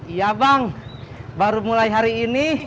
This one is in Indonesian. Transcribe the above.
iya bang baru mulai hari ini